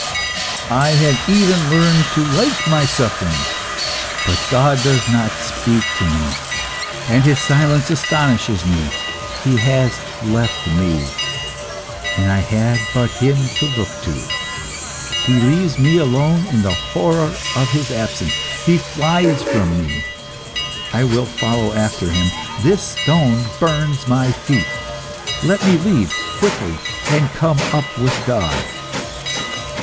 I have even learned to like my sufferings. But God does not speak to me, and His silence astonishes me. He has left me and I had but Him to look to. He leaves me alone in the horror of His absence. He flies from me. I will follow after Him. This stone burns my feet. Let me leave quickly, and come up with God."